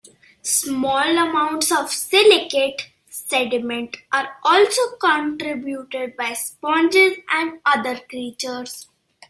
Small amounts of silicate sediment are also contributed by sponges and other creatures.